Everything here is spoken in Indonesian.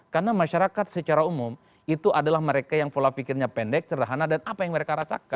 karena masyarakat secara umum itu adalah mereka yang pola pikirnya pendek sederhana dan apa yang mereka rasakan